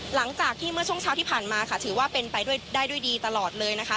หลังจากที่เมื่อช่วงเช้าที่ผ่านมาค่ะถือว่าเป็นไปได้ด้วยดีตลอดเลยนะคะ